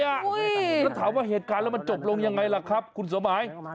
แล้วถามว่าเหตุการณ์แล้วมันจบลงยังไงล่ะครับคุณสมหมาย